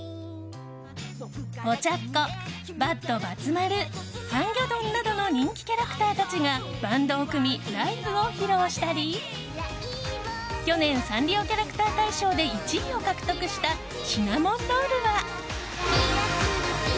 ポチャッコ、バッドばつ丸ハンギョドンなどの人気キャラクターたちがバンドを組みライブを披露したり去年サンリオキャラクター大賞で１位を獲得したシナモロールは。